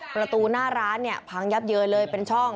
ประตูหน้าร้านเนี่ยพังยับเยินเลยเป็นช่อง